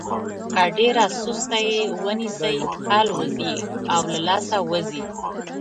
که ډېره سسته یې ونیسئ الوزي او له لاسه وځي.